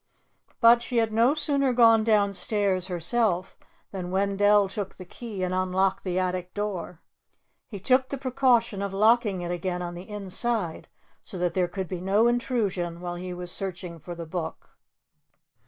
But she had no sooner gone downstairs, herself, than Wendell took the key and unlocked the attic door. He took the precaution of locking it again on the inside, so that there could be no intrusion while he was searching for the Book.